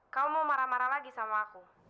kamu mau marah marah lagi sama aku